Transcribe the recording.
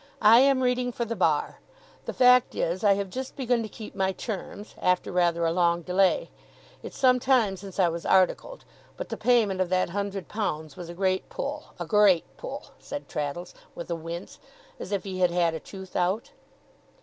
'I am reading for the bar. The fact is, I have just begun to keep my terms, after rather a long delay. It's some time since I was articled, but the payment of that hundred pounds was a great pull. A great pull!' said Traddles, with a wince, as if he had had a tooth out.